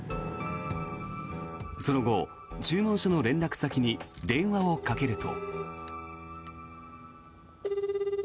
その後、注文者の連絡先に電話をかけると。